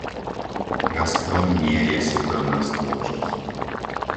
Gazprom nie je súkromná spoločnosť.